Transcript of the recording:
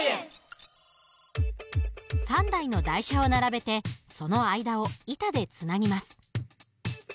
３台の台車を並べてその間を板でつなぎます。